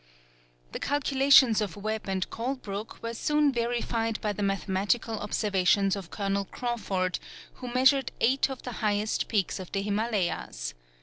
The calculations of Webb and Colebrook, were soon verified by the mathematical observations of Colonel Crawford, who measured eight of the highest peaks of the Himalayas.